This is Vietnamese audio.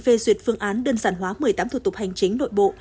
phê duyệt phương án đơn giản hóa một mươi tám thủ tục hành chính nội bộ